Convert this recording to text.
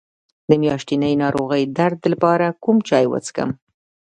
د میاشتنۍ ناروغۍ درد لپاره کوم چای وڅښم؟